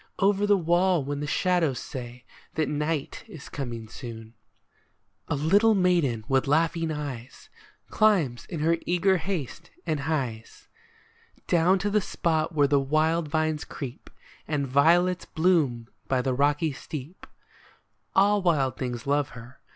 Over the wall when the shadows s«.y That night is coming soon, A little maiden with laughing eyes Climbs in her eager haste, and hies Down to the spot where the wild vines creep, And violets bloom by the rocky steep. 10 OVER THE WALL All wild things love her.